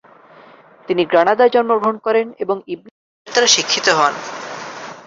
তিনি গ্রানাদায় জন্মগ্রহণ করেন এবং ইবনে বাজার দ্বারা শিক্ষিত হন।